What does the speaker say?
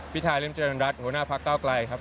พิธาเล่มเจริญรัฐหัวหน้าพักก้าวกล่ายครับ